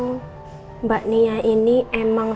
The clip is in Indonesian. mbak nia ini emang